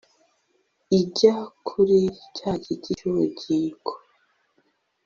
ijya kuri cya giti cy ubugingo